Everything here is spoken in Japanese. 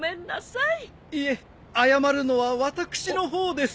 いえ謝るのは私の方です。